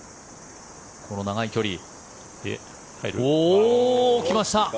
この長い距離。来ました！